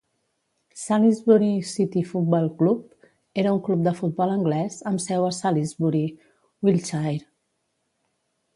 Salisbury City Football Club era un club de futbol anglès amb seu a Salisbury, Wiltshire.